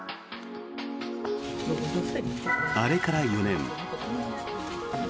あれから４年。